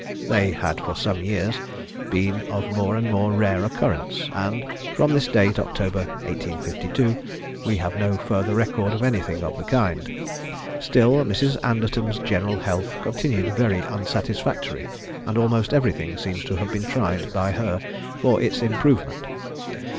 They had for some years been of more and more rare occurrence, and from this date, (October, 1852), we have no further record of anything of the kind. Still Mrs. Anderton's general health continued very unsatisfactory, and almost everything seems to have been tried by her for its improvement.